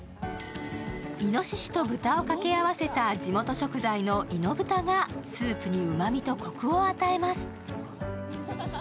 いのししと豚を掛け合わせた地元食材のいのぶたがスープにうまみとこくを与えます。